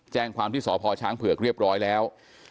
แจ้งความที่สพช้างเผือกเรียบร้อยแล้ว